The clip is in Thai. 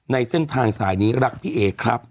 ในเส้นทางสายนี้รักพี่เอครับ